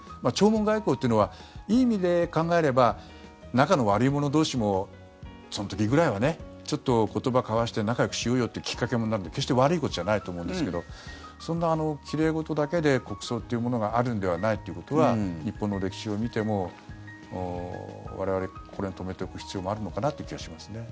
弔問外交というのはいい意味で考えれば仲の悪い者同士もその時ぐらいはちょっと言葉を交わして仲よくしようよというきっかけにもなるので決して悪いことじゃないと思うんですけどそんな奇麗事だけで国葬っていうものがあるんではないということは日本の歴史を見ても我々、心に留めておく必要もあるのかなという気がしますね。